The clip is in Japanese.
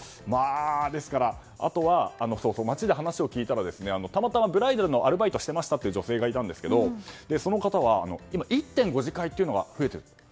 ですから、あとは街で話を聞いたらたまたまブライダルのアルバイトをしていましたという女性がいたんですがその方は、今１．５次会が増えていると。